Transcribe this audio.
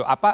apa ya pak